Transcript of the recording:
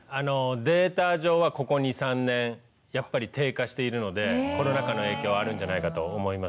データ上はここ２３年やっぱり低下しているのでコロナ禍の影響はあるんじゃないかと思います。